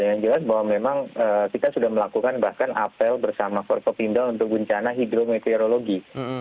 yang jelas bahwa memang kita sudah melakukan bahkan apel bersama forkopindo untuk bencana hidrometeorologi